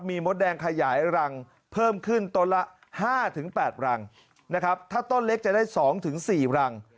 มีมดแดงขยายรังเพิ่มขึ้นต้นละ๕๘รังนะครับถ้าต้นเล็กจะได้๒๔รัง